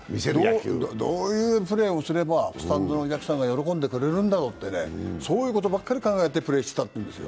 どういうプレーをすればスタンドのお客さんが喜んでくれるかって、そういうことばっかり考えてプレーしてたって。